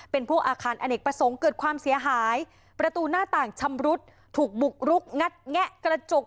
เป็นพวกอาคารอเนกประสงค์เกิดความเสียหายประตูหน้าต่างชำรุดถูกบุกรุกงัดแงะกระจก